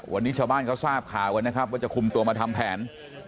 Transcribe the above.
วันนี้ชาวบ้านเขาทราบข่าวกันนะครับว่าจะคุมตัวมาทำแผน